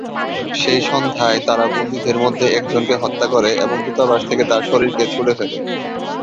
সেই সন্ধ্যায়, তারা বন্দীদের মধ্যে একজনকে হত্যা করে এবং দূতাবাস থেকে তার শরীরকে ছুঁড়ে ফেলে।